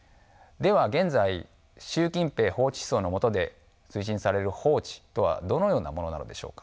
では現在「習近平法治思想」の下で推進される法治とはどのようなものなのでしょうか。